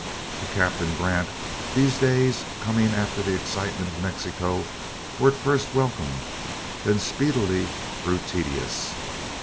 To Captain Grant these days coming after the excitement of Mexico were at first welcome, then speedily grew tedious.